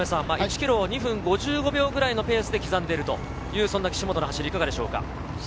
１ｋｍを２分５５秒くらいのペースで刻んでいるという岸本の走りいかがですか？